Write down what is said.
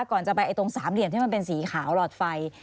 ก่อนจะไปตรงสามเหลี่ยมที่มันเป็นสีขาวหลอดไฟ